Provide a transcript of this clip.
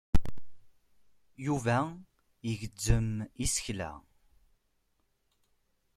Yuba igezzem isekla.